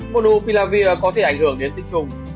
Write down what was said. monopilavir có thể ảnh hưởng đến tinh trùng